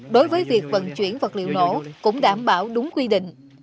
đối với việc vận chuyển vật liệu nổ cũng đảm bảo đúng quy định